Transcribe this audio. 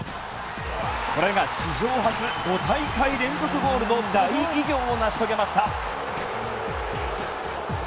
これが史上初５大会連続ゴールの大偉業を成し遂げました。